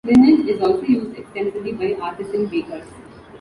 Linen is also used extensively by artisan bakers.